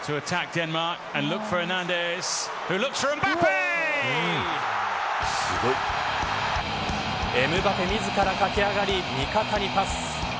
エムバペ自ら駆け上がり味方にパス。